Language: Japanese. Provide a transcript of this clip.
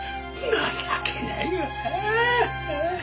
情けないよな。